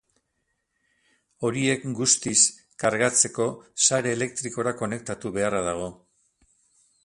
Horiek guztiz kargatzeko sare elektrikora konektatu beharra dago.